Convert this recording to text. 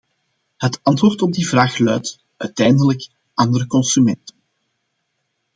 Het antwoord op die vraag luidt - uiteindelijk - andere consumenten.